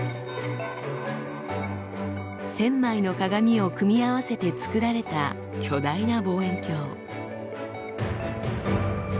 １，０００枚の鏡を組み合わせて造られた巨大な望遠鏡。